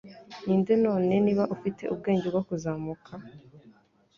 Ninde none niba ufite ubwenge bwo kuzamuka